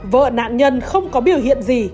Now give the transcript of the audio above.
vợ nạn nhân không có biểu hiện gì